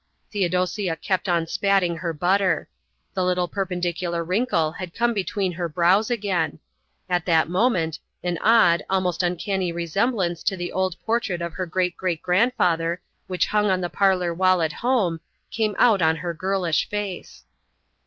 Theodosia kept on spatting her butter. The little perpendicular wrinkle had come between her brows again. At that moment an odd, almost uncanny resemblance to the old portrait of her great great grandfather, which hung on the parlour wall at home, came out on her girlish face.